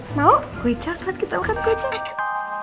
mau kue cakrat kita makan kue cakrat